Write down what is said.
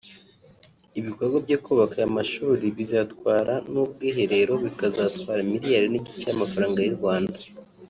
Ibikorwa byo kubaka aya mashuri bizatwara n’ubwiherero bikazatwara miliyari n’igice y’amafaranga y’u Rwanda